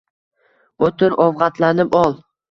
O‘tir, ovqatlanib ol.